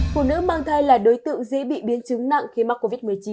phụ nữ mang thai là đối tượng dễ bị biến chứng nặng khi mắc covid một mươi chín